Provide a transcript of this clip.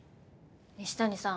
西谷さん